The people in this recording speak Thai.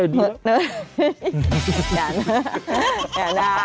อย่านะ